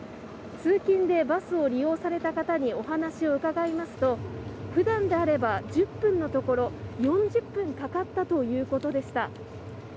通勤でバスを利用された方にお話を伺いますと、ふだんであれば１０分のところ、４０分かかったということでした。